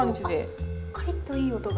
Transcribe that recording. カリッといい音が。